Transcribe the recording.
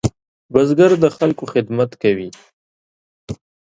بزګر د خلکو خدمت کوي